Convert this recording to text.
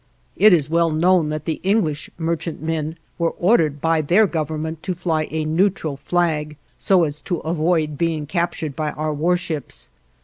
It is well known that the English merchantmen were ordered by their Government to fly a neutral flag, so as to avoid being captured by our warships.